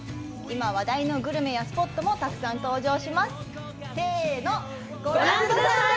今話題のグルメやスポットもたくさん登場しますせのご覧ください！